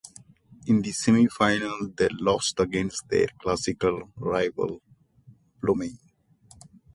In the semi-final they lost against their classic rival Blooming.